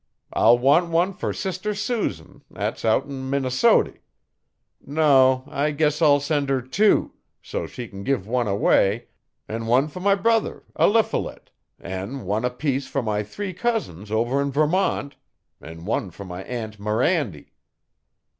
'I'll want one for Sister Susan 'at's out in Minnesoty no, I guess I'll send 'er tew, so she can give one away an' one fer my brother, Eliphalet, an' one apiece fer my three cousins over 'n Vermont, an' one fer my Aunt Mirandy.